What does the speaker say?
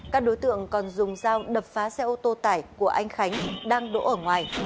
các đối tượng còn dùng dao đập phá xe ô tô tải của anh khánh đang đỗ ở ngoài